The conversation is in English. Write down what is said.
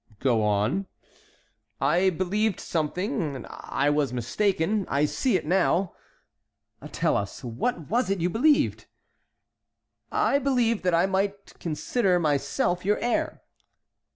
"Go on"— "I believed something, I was mistaken, I see it now"— "Tell us, what was it you believed?" "I believed that I might consider myself your heir."